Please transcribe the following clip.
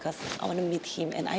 karena saya mau ketemu dia